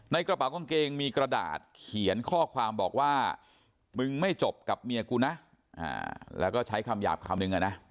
กระเป๋ากางเกงมีกระดาษเขียนข้อความบอกว่ามึงไม่จบกับเมียกูนะแล้วก็ใช้คำหยาบคำนึงอะนะ